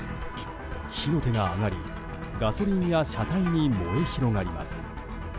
火の手が上がりガソリンや車体に燃え広がります。